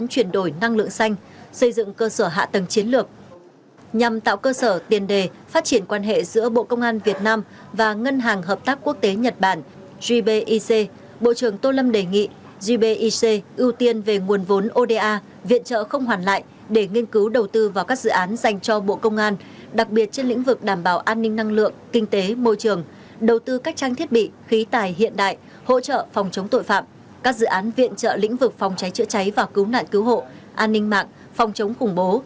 chiến lược nhằm tạo cơ sở tiền đề phát triển quan hệ giữa bộ công an việt nam và ngân hàng hợp tác quốc tế nhật bản gbic bộ trưởng tô lâm đề nghị gbic ưu tiên về nguồn vốn oda viện trợ không hoàn lại để nghiên cứu đầu tư vào các dự án dành cho bộ công an đặc biệt trên lĩnh vực đảm bảo an ninh năng lượng kinh tế môi trường đầu tư cách trang thiết bị khí tài hiện đại hỗ trợ phòng chống tội phạm các dự án viện trợ lĩnh vực phòng cháy chữa cháy và cứu nạn cứu hộ an ninh mạng ph